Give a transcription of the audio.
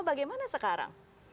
apa yang terjadi sekarang